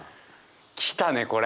来たねこれ！